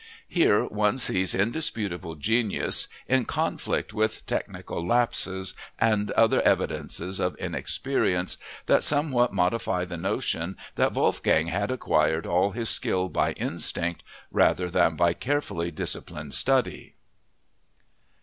Here one sees indisputable genius in conflict with technical lapses and other evidences of inexperience that somewhat modify the notion that Wolfgang had acquired all his skill by instinct rather than by carefully disciplined study.